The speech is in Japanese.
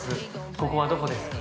ここはどこですか。